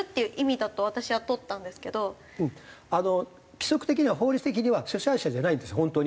規則的には法律的には主催者じゃないんです本当に。